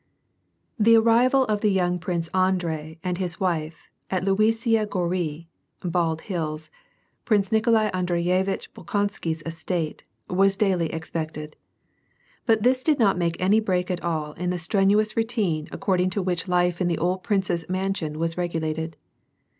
The arrival of the young Prince Andrei and his wife at Luisiya Gorui, (Bald Hills) Prince Nikolai Andreyevitch Bol konsky's estate, was daily expected. But this did not make any break at all in the strenuous routine according to which life in the old prince's mansion was regulated.